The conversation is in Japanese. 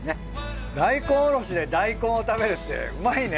大根おろしで大根を食べるってうまいね。